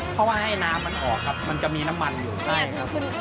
เพราะให้น้ำมันออกมันจะมีน้ำมันอยู่